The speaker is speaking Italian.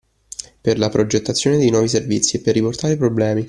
Per la progettazione di nuovi servizi, e per riportare problemi.